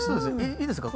いいですか？